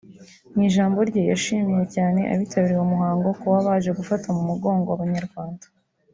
mu ijambo rye yashimiye cyane abitabiriye uwo muhango kuba baje gufata mu mugongo Abanyarwada